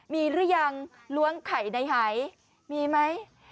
มีหรือยังล้วงไข่ในหายมีไหม